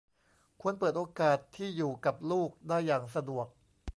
ควรเปิดโอกาสให้อยู่กับลูกได้อย่างสะดวก